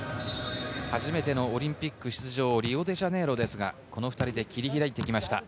初めてのオリンピック出場はリオデジャネイロですが、この２人で切り開いてきました。